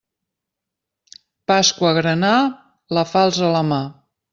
Pasqua granà, la falç a la mà.